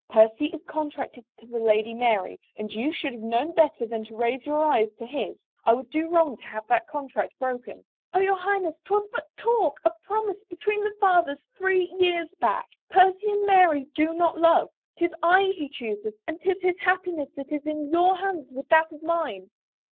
Percy is contracted to the Lady Mary and you should have known better than to raise your eyes to his. I would do wrong to have that contract broken." " Oh, your Highness, 'twas but a talk, a promise, be tween the fathers three years back. Percy and Mary do not love. 'Tis I he chooses and 'tis his happiness that is in your hands with that of mine."